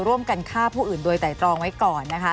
ร่วมกันฆ่าผู้อื่นโดยไตรตรองไว้ก่อนนะคะ